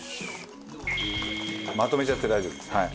まとめちゃって大丈夫ですはい。